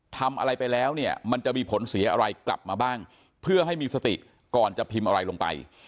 ทำอะไรไปแล้วเนี่ยมันจะมีผลเสียอะไรกลับมาบ้างเพื่อให้มีสติก่อนจะพิมพ์อะไรลงไป